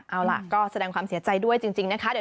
เอาล่ะก็แสดงความเสียใจด้วยจริงนะคะ